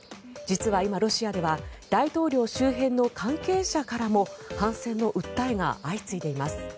実は今、ロシアでは大統領周辺の関係者からも反戦の訴えが相次いでいます。